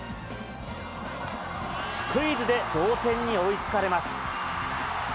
スクイズで同点に追いつかれます。